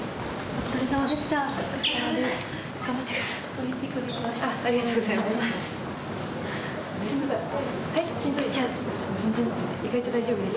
お疲れさまです。